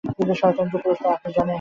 কিন্তু শয়তান যে পুরুষ তা আপনি জানেন?